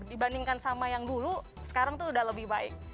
dibandingkan sama yang dulu sekarang itu sudah ramah